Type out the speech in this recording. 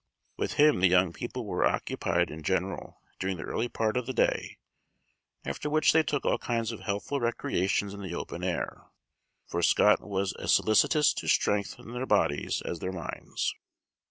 With him the young people were occupied in general during the early part of the day, after which they took all kinds of healthful recreations in the open air; for Scott was as solicitous to strengthen their bodies as their minds.